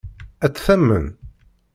Ad tt-tamen?